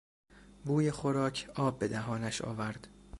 بوی خوراک آب به دهانش آورد.